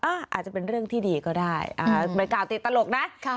อาจจะเป็นเรื่องที่ดีก็ได้ไม่กล่าวติดตลกนะ